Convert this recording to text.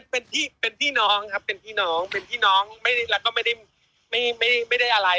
เป็นพี่น้องเป็นพี่น้องแล้วก็ไม่ได้อะไร